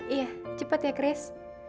iya cepat ya kris